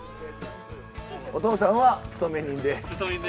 お父さんは勤め人で。